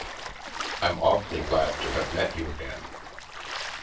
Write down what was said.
I'm awfully glad to have met you again."